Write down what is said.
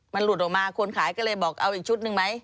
มันหลุดออกมาคนขายก็เลยบอกเอาอีกชุดหนึ่งไหม